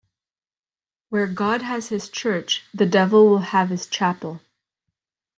Where God has his church, the devil will have his chapel.